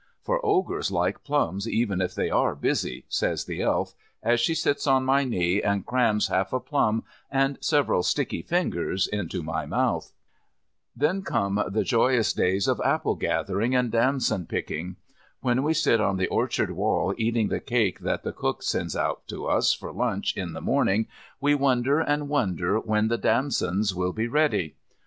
"For Ogres like plums even if they are busy," says the Elf, as she sits on my knee and crams half a plum and several sticky fingers into my mouth. Then come the joyous days of apple gathering and damson picking. When we sit on the orchard wall eating the cake that the cook sends out to us for lunch in the morning we wonder and wonder when the damsons will be ready.